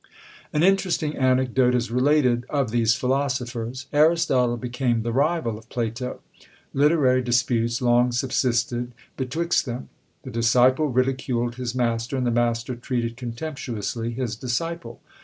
An interesting anecdote is related of these philosophers Aristotle became the rival of Plato. Literary disputes long subsisted betwixt them. The disciple ridiculed his master, and the master treated contemptuously his disciple.